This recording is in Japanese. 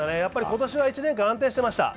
今年は１年間安定してました。